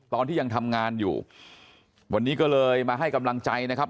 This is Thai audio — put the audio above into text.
ตอนที่ยังทำงานอยู่วันนี้ก็เลยมาให้กำลังใจนะครับ